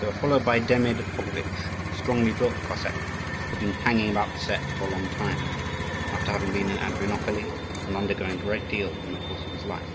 They were followed by Demid Popovitch, a strongly built Cossack who had been hanging about the Setch for a long time, after having been in Adrianople and undergoing a great deal in the course of his life.